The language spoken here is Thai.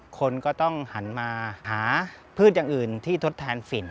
คนก็ต้องหันมาหาพืชอย่างอื่นที่ทดแทนฝิ่น